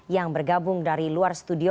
yang bergabung dari luar studio